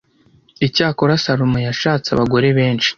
Icyakora Salomo yashatse abagore benshi